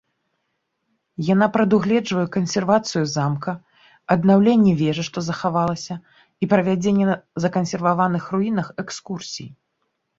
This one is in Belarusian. Яна прадугледжвае кансервацыю замка, аднаўленне вежы, што захавалася, і правядзенне на закансерваваных руінах экскурсій.